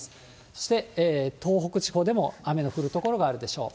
そして、東北地方でも雨の降る所があるでしょう。